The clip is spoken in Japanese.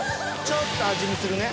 ちょっと味見するね。